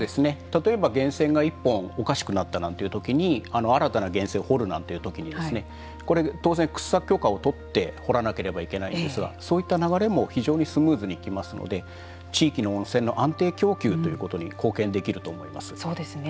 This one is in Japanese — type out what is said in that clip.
例えば、源泉が１本おかしくなったなんていうときに新たな源泉を掘るなんて時にこれ、当然、掘削許可を取って掘らなければいけないですがそういった流れも非常にスムーズに行きますので地域の温泉の安定供給ということにそうですね。